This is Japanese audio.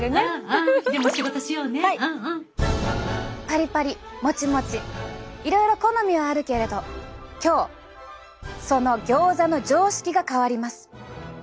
パリパリモチモチいろいろ好みはあるけれど今日そのギョーザの常識が変わります。